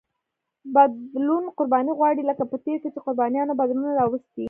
بدلون قرباني غواړي لکه په تېر کې چې قربانیو بدلونونه راوستي.